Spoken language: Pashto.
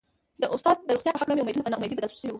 د استاد د روغتيا په هکله مې امېدونه په نا اميدي بدل شوي وو.